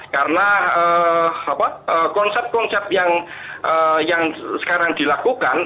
karena konsep konsep yang sekarang dilakukan